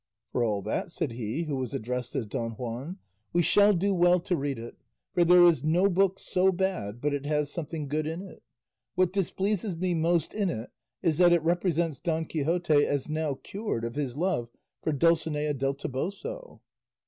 "For all that," said he who was addressed as Don Juan, "we shall do well to read it, for there is no book so bad but it has something good in it. What displeases me most in it is that it represents Don Quixote as now cured of his love for Dulcinea del Toboso."